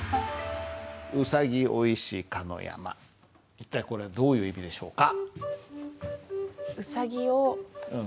一体これはどういう意味でしょうか？